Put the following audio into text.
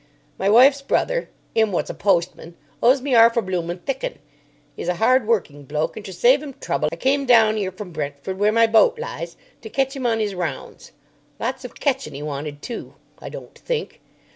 "My wife's brother, 'im wot's a postman, owes me arf a bloomin' thick 'un. 'E's a hard working bloke, and ter save 'im trouble I came down 'ere from Brentford, where my boat lies, to catch 'im on 'is rounds. Lot of catchin' 'e wanted, too—I don't think.